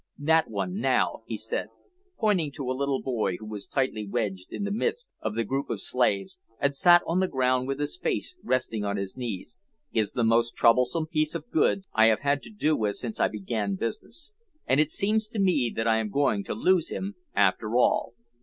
"That one, now," he said, pointing to a little boy who was tightly wedged in the midst of the group of slaves, and sat on the ground with his face resting on his knees, "is the most troublesome piece of goods I have had to do with since I began business; and it seems to me that I am going to lose him after all."